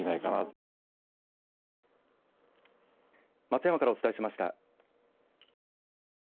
松山からお伝えしました。